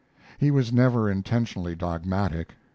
He was never intentionally dogmatic.